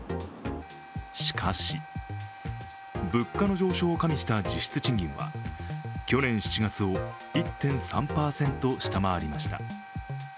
しかし、物価の上昇を加味した実質賃金は去年７月を１．３％下回りました。